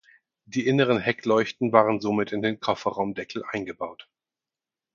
Die inneren Heckleuchten waren somit in den Kofferraumdeckel eingebaut.